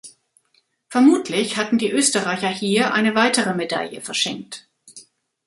Vermutlich hatten die Österreicher hier eine weitere Medaille verschenkt.